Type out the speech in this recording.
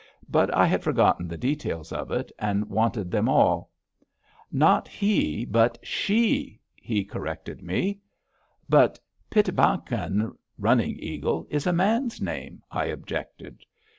But I had forgotten the details of it, and wanted them all. "Not he, but she!" he corrected me. "But Pi´tamakan (Running Eagle) is a man's name," I objected.